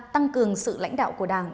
tăng cường sự lãnh đạo của đảng